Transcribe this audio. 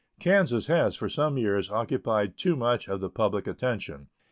Kansas has for some years occupied too much of the public attention.